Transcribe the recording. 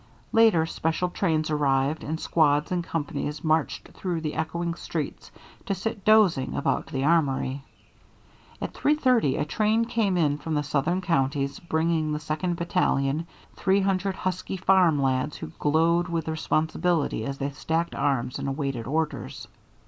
Later special trains arrived, and squads and companies marched through the echoing streets, to sit dozing about the armory. At three thirty a train came in from the southern counties bringing the second battalion, three hundred husky farm lads who glowed with responsibility as they stacked arms and awaited orders.